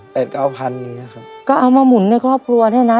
เก้าพันอย่างเงี้ครับก็เอามาหมุนในครอบครัวเนี้ยนะ